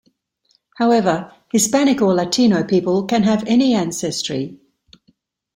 However, Hispanic or Latino people can have any ancestry.